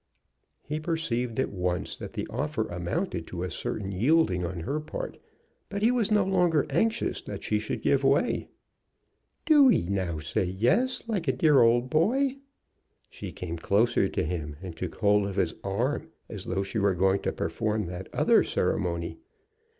He perceived at once that the offer amounted to a certain yielding on her part, but he was no longer anxious that she should give way. "Do'ee now say yes, like a dear old boy." She came closer to him, and took hold of his arm, as though she were going to perform that other ceremony.